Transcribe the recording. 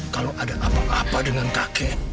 kalau ada apa apa dengan kakek